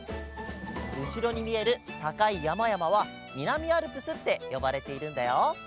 うしろにみえるたかいやまやまはみなみアルプスってよばれているんだよ。